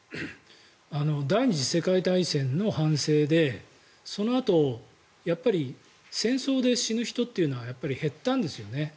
第２次世界大戦の反省でそのあと戦争で死ぬ人というのは減ったんですよね。